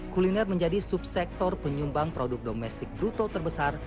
kuliner menjadi subsektor penyumbang produk domestik bruto terbesar